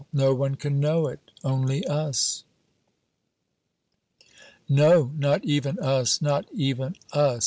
No one can know it. Only us." "No, not even us, not even us!"